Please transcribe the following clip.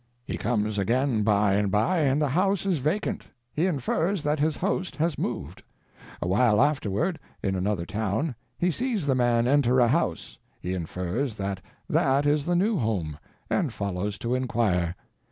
He comes again by and by, and the house is vacant. He infers that his host has moved. A while afterward, in another town, he sees the man enter a house; he infers that that is the new home, and follows to inquire.